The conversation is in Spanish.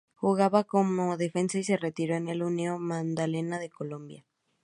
Jugaba como defensa y se retiró en el Unión Magdalena de Colombia.